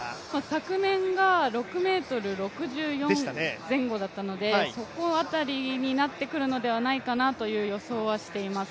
昨年が６ｍ６４前後だったので、そこ辺りになってくるのではないかという予想はしています。